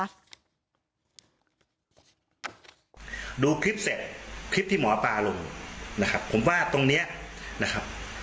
ดูคลิปเสร็จคลิปที่หมอปลาลงนะครับผมว่าตรงเนี้ยนะครับ